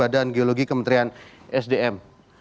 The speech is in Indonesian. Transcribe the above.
dan geologi kementerian sdm